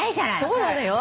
そうなのよ。